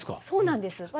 そうなんです。